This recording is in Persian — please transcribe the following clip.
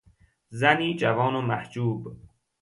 زنی جوان و محجوب